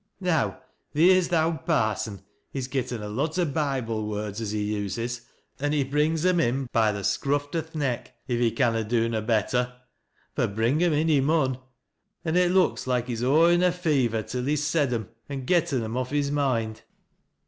Now theer's th' owd parson, he's getten a lot (^i' Bible words as he uses, an' he brings 'em in by the Bcrv.f t o' th' neck, if he canna do no better, — fur bring 'era in he Jiun, — an' it looks loike he's aw i' a fever till he's said 'e Q an' getten 'em off his moind.